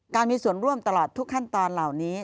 มีส่วนร่วมตลอดทุกขั้นตอนเหล่านี้